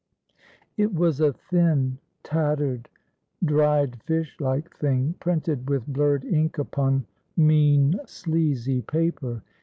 It was a thin, tattered, dried fish like thing; printed with blurred ink upon mean, sleazy paper.